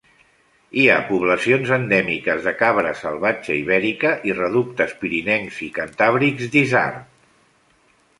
Hi ha poblacions endèmiques de cabra salvatge ibèrica i reductes pirinencs i cantàbrics d'isard.